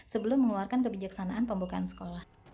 sebelum mengeluarkan kebijaksanaan pembukaan sekolah